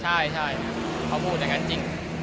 ใช่ใช่เขาพูดว่างั้นจริง